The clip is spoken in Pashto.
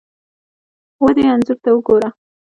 ودې انځور ته ګوره!